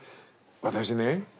私ね